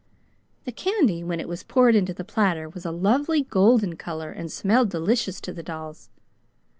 The candy, when it was poured into the platter, was a lovely golden color and smelled delicious to the dolls.